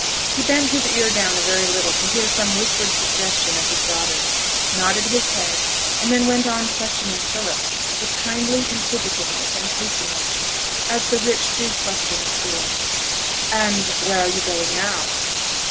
He bent his ear down a very little to hear some whispered suggestion of his daughter's, nodded his head, and then went on questioning Philip, with kindly inquisitiveness and patronage, as the rich do question the poor. 'And where are you going to now?'